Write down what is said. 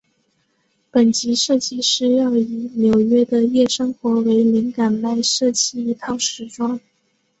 本集设计师要以纽约的夜生活为灵感来设计一套时装。